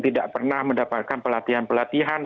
tidak pernah mendapatkan pelatihan pelatihan